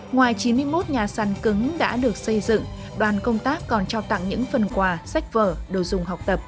ngoài chín mươi một nhà sàn cứng đã được xây dựng đoàn công tác còn trao tặng những phần quà sách vở đồ dùng học tập